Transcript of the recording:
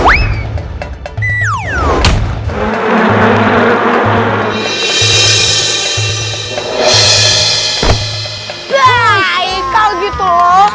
baik kalau gitu